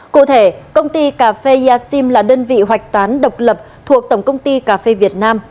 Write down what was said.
cụ thể công ty cà phê yashim là đơn vị hoạch toán độc lập thuộc tổng công ty cà phê việt nam